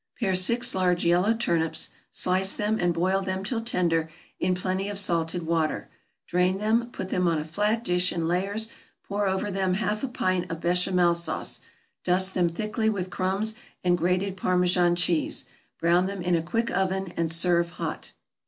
= Pare six large yellow turnips, slice them, and boil them till tender in plenty of salted water; drain them, put them on a flat dish in layers, pour over them half a pint of Béchamel sauce, dust them thickly with crumbs and grated Parmesan cheese; brown them in a quick oven, and serve hot.